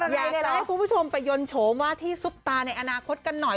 อยากจะให้คุณผู้ชมไปยนโฉมว่าที่ซุปตาในอนาคตกันหน่อย